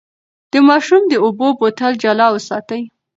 د ماشوم د اوبو بوتل جلا وساتئ.